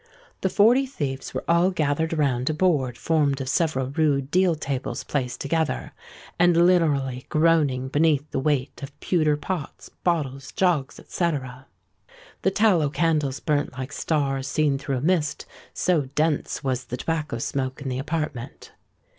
The Forty Thieves were all gathered round a board formed of several rude deal tables placed together, and literally groaning beneath the weight of pewter pots, bottles, jugs, &c. The tallow candles burnt like stars seen through a mist, so dense was the tobacco smoke in the apartment.